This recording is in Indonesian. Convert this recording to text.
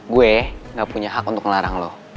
gue gak punya hak untuk ngelarang lo